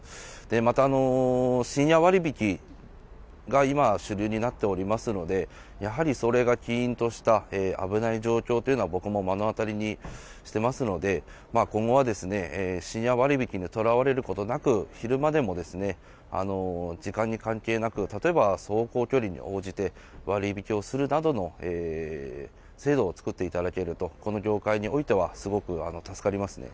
また、深夜割引が今、主流になっておりますので、やはりそれが起因とした危ない状況というのは、僕も目の当たりにしてますので、今後は、深夜割引にとらわれることなく、昼間でも時間に関係なく、例えば、走行距離に応じて割引をするなどの制度を作っていただけると、この業界においてはすごく助かりますね。